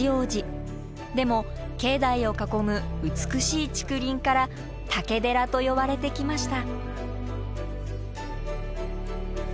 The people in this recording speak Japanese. でも境内を囲む美しい竹林から竹寺と呼ばれてきました。